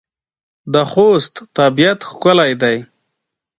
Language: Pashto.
د خوست طبيعت ښکلی دی.